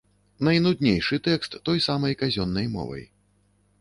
Найнуднейшы тэкст той самай казённай мовай.